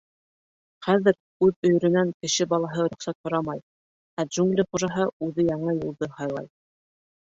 Хәҙер үҙ өйөрөнән кеше балаһы рөхсәт һорамай, ә Джунгли Хужаһы үҙе яңы юлды һайлай.